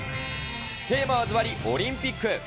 テーマはずばりオリンピック。